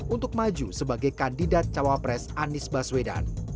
untuk maju sebagai kandidat cawapres anies baswedan